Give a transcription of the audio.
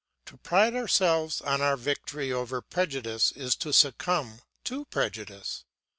To pride ourselves on our victory over prejudice is to succumb to prejudice.